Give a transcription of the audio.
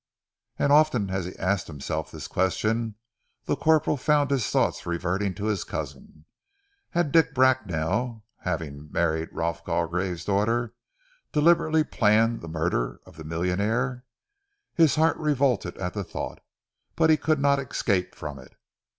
As often as he asked himself this question, the corporal found his thoughts reverting to his cousin. Had Dick Bracknell, having married Rolf Gargrave's daughter, deliberately planned the murder of the millionaire? His heart revolted at the thought, but he could not escape from it.